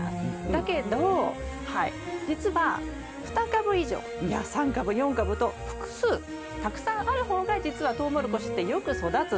だけどじつは２株以上いや３株４株と複数たくさんある方がじつはトウモロコシってよく育つんです。